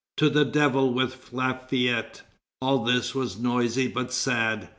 to the devil with Lafayette!' All this was noisy but sad.